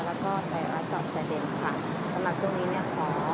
แล้วก็ไทยรัฐจอบประเด็นค่ะสำหรับช่วงนี้เนี่ยขอ